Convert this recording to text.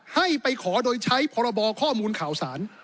ให้ไปขอโดยใช้พรบข้อมูลข่าวสาร